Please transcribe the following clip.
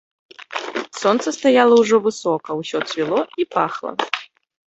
Сонца стаяла ўжо высока, усё цвіло і пахла.